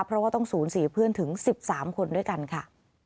เพราะว่าต้องสูญเสียเพื่อนถึง๑๓คนด้วยกันค่ะ